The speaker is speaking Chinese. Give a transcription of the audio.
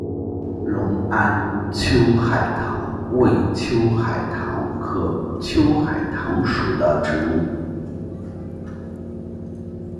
隆安秋海棠为秋海棠科秋海棠属的植物。